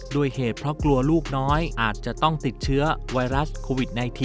ด้วยเหตุเพราะกลัวลูกน้อยอาจจะต้องติดเชื้อไวรัสโควิด๑๙